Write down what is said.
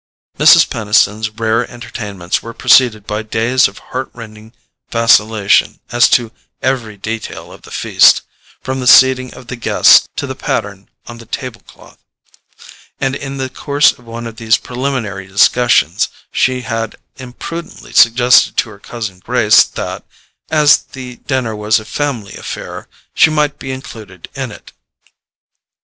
Mrs. Peniston's rare entertainments were preceded by days of heart rending vacillation as to every detail of the feast, from the seating of the guests to the pattern of the table cloth, and in the course of one of these preliminary discussions she had imprudently suggested to her cousin Grace that, as the dinner was a family affair, she might be included in it.